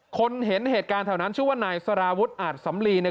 คนเห็นเหตุการณ์แถวนั้นชื่อว่านายสารวุฒิอาจสำลี